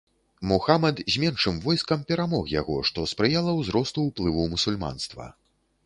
Мухамад з меншым войскам перамог яго, што спрыяла ўзросту ўплыву мусульманства.